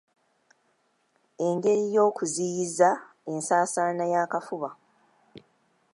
Engeri y’okuziyiza ensaasaana y’akafuba